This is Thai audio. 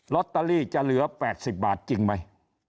ลอตเตอรี่จะเหลือ๘๐บาทจริงไหม